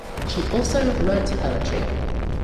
She also wrote poetry.